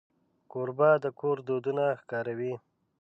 کوربه د کور دودونه ښکاروي.